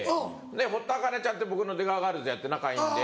堀田茜ちゃんって僕の出川ガールズやって仲いいんで。